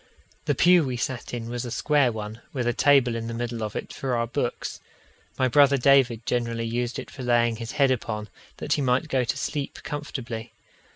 The pew we sat in was a square one, with a table in the middle of it for our books. My brother David generally used it for laying his head upon, that he might go to sleep comfortably.